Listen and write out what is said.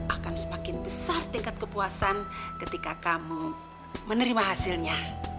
akan semakin besar tingkat kepuasan ketika kamu menerima hasilnya